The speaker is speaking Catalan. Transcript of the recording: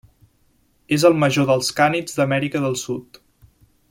És el major dels cànids d'Amèrica del Sud.